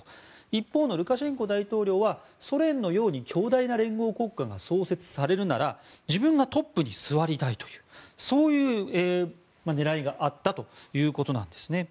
一方のルカシェンコ大統領はソ連のように強大な連合国家が創設されるなら自分がトップに座りたいというそういう狙いがあったということです。